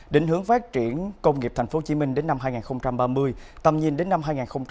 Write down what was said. định hướng phát triển công nghiệp thành phố hồ chí minh đến năm hai nghìn ba mươi tầm nhìn đến năm hai nghìn năm mươi